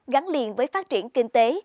gắn liền với phát triển kinh tế